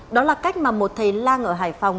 đó là cách mà một thầy lang ở hải phòng